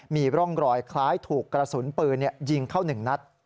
มีร่องรอยคล้ายถูกกระสุนปืนยิงเข้า๑นัด